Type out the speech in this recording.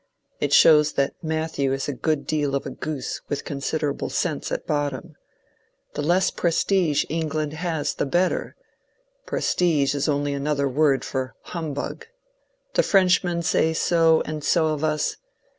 It shows that Matthew is a good deal of a goose with considerable sense at bottom. The less prestige England has the better : prestige is only another word for humbug. The Frenchmen say so and so of us.